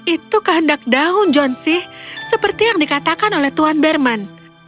itu kehendak daun johnsy seperti yang dikatakan oleh tuhan berman